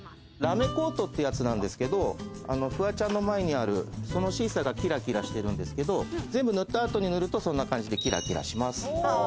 ラメコートってやつなんですけど、フワちゃんの前にあるそのシーサーがキラキラしてるんですけど、全部塗った後に塗ると、そんな感じでキラキラします。